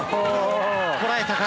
こらえたか。